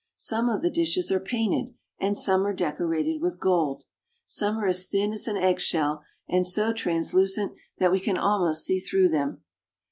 Some of the dishes are painted and some are decorated with gold. Some are as thin as an eggshell, and so translucent that we can almost see through them.